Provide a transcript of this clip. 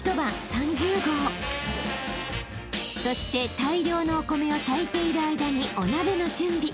［そして大量のお米を炊いている間にお鍋の準備］